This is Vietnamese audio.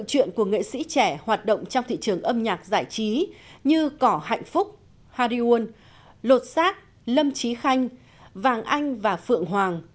tự truyện của nghệ sĩ trẻ hoạt động trong thị trường âm nhạc giải trí như cỏ hạnh phúc hari won lột xác lâm trí khanh vàng anh và phượng hoàng